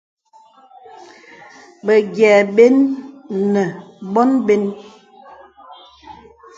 Bəyìɛ bən nə bɔ̄n bən.